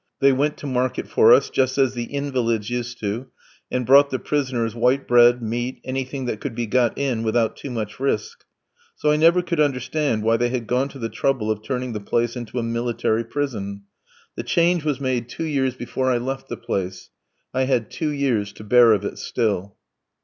They went to market for us, just as the invalids used to, and brought the prisoners white bread, meat, anything that could be got in without too much risk. So I never could understand why they had gone to the trouble of turning the place into a military prison. The change was made two years before I left the place; I had two years to bear of it still.